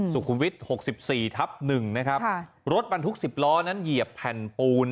สุขุมวิทย์๖๔ทับ๑นะครับรถบรรทุก๑๐ล้อนั้นเหยียบแผ่นปูน